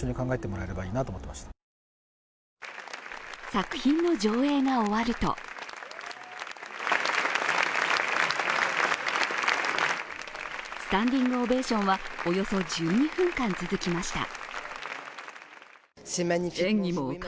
作品の上映が終わるとスタンディングオベーションはおよそ１２分間、続きました。